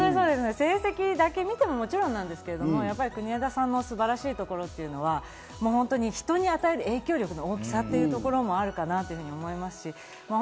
成績だけ見てももちろんなんですけど、国枝さんの素晴らしいところっていうのは人に与える影響力の大きさっていうところもあるかなと思いますし。